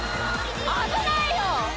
危ないよ！